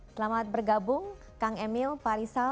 selamat bergabung kang emil pak rizal